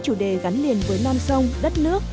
chủ đề gắn liền với non sông đất nước